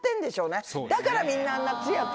だからみんなあんな。